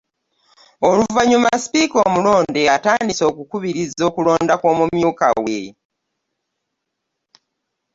Oluvannyuma sipiika omulonde atandise okukubiriza okulonda kw'omumyuka we